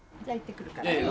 じゃあ行ってくるから。